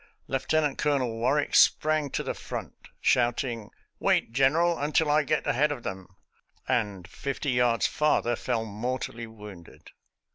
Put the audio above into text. Lieutenant Colonel Warwick sprang to the front, shouting, " Wait, General, until I get ahead of them," and fifty yards farther fell mortally wounded.